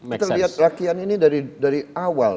kita lihat rakyat ini dari awal